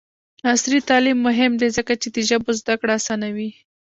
عصري تعلیم مهم دی ځکه چې د ژبو زدکړه اسانوي.